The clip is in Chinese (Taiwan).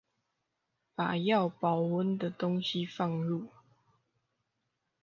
把要保溫的東西放入